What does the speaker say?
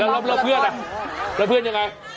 รอบเพื่อนอะไรแล้วเพื่อนยังไง